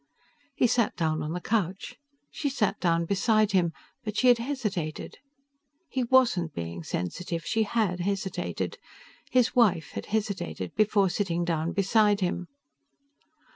He sat down on the couch, she sat down beside him but she had hesitated. He wasn't being sensitive; she had hesitated. His wife had hesitated before sitting down beside him.